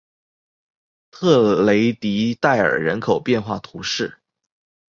特雷迪代尔人口变化图示